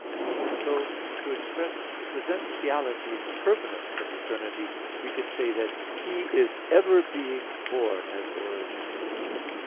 And so to express the presentiality and permanence of eternity, we can say that "He is ever being born," as Origen said (Hom.